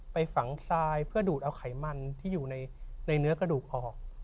ไปฝังทรายเพื่อดูดเอาไขมันที่อยู่ในเนื้อกระดูกออก